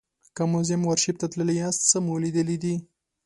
که موزیم او ارشیف ته تللي یاست څه مو لیدلي دي.